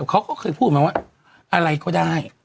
เขาก็เคยพูดมาว่าอะไรก็ได้